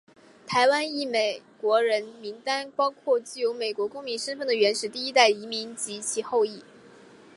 台湾裔美国人名单包括具有美国公民身份的原始第一代移民及其后裔。